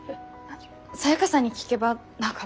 サヤカさんに聞けば何か。